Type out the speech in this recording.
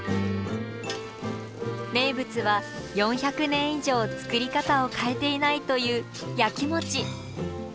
名物は４００年以上作り方を変えていないという焼き餅。